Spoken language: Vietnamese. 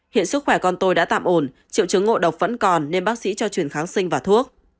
hiện sức khỏe con tôi đã tạm ổn triệu chứng ngộ độc vẫn còn nên bác sĩ cho chuyển kháng sinh và thuốc